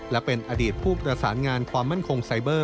และเป็นอดีตผู้ประสานงานความมั่นคงไซเบอร์